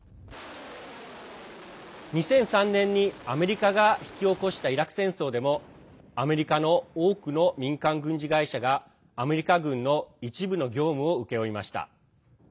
２００３年にアメリカが引き起こしたイラク戦争でもアメリカの多くの民間軍事会社がアメリカ軍の一部の業務を請け負いました。